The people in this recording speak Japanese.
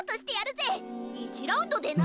１ラウンドでな！